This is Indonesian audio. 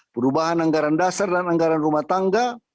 perubahan anggaran dasar dan anggaran rumah tangga